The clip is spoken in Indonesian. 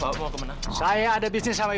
toby password belajar yang tinggi